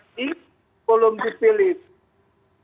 tapi belum dipilih